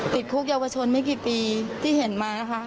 ติดคุกเยาวชนไม่กี่ปีที่เห็นมานะคะ